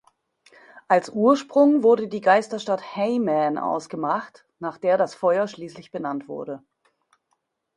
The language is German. Als Ursprung wurde die Geisterstadt Hayman ausgemacht, nach der das Feuer schließlich benannt wurde.